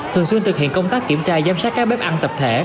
thường xuyên thực hiện công tác kiểm tra giám sát các bếp ăn tập thể